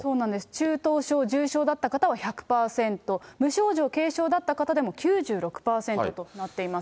中等症、重症だった方は１００％、無症状、軽症だった方でも９６％となっています。